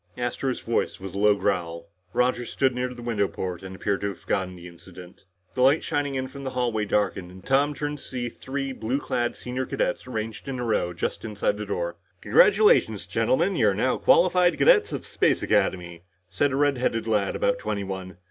Astro's voice was a low growl. Roger stood near the window port and appeared to have forgotten the incident. The light shining in from the hallway darkened, and Tom turned to see three blue clad senior cadets arranged in a row just inside the door. "Congratulations, gentlemen. You're now qualified cadets of Space Academy," said a redheaded lad about twenty one.